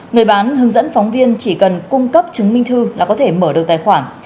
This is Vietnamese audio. người bán hướng dẫn phóng viên chỉ cần cung cấp chứng minh thư là có thể mở được tài khoản